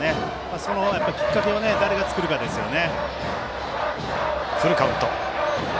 そのきっかけを誰が作るかですね。